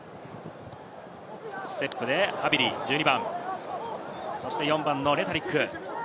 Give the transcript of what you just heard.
ステップでハヴィリ、１２番、そして４番のレタリック。